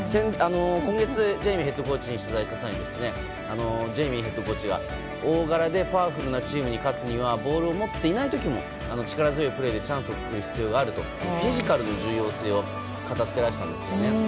今月ジェイミーヘッドコーチに取材した際にジェイミーヘッドコーチは大柄でパワフルなチームに勝つためにはボールを持っていない時も力強いプレーでチャンスを作る必要があるとフィジカルの必要性を語っていたんです。